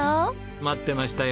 待ってましたよ。